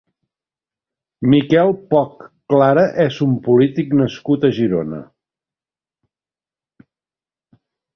Miquel Poch Clara és un polític nascut a Girona.